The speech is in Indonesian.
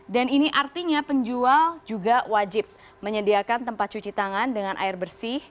dan ini artinya penjual juga wajib menyediakan tempat cuci tangan dengan air bersih